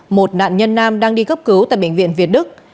một nạn nhân nam đang đi cấp cứu tại bệnh viện việt đức